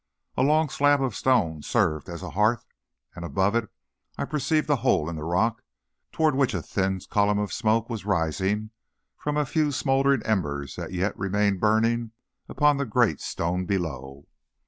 A long slab of stone served as a hearth, and above it I perceived a hole in the rock, toward which a thin column of smoke was rising from a few smouldering embers that yet remained burning upon the great stone below.